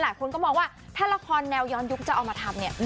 หลายคนก็มองว่าถ้าละครแนวย้อนยุคจะเอามาทำเนี่ย